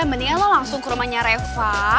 mendingan lo langsung ke rumahnya reva